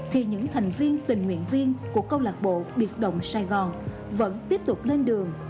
thì những thành viên tình nguyện viên của câu lạc bộ biệt động sài gòn vẫn tiếp tục lên đường